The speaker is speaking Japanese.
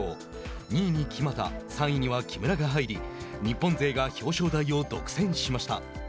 ２位に木俣、３位には木村が入り日本勢が表彰台を独占しました。